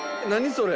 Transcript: それ。